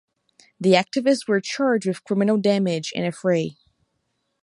The activists were charged with criminal damage and affray.